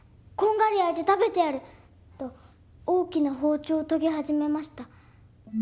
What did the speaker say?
こんがり焼いて食べてやる」と大きな包丁を研ぎ始めました。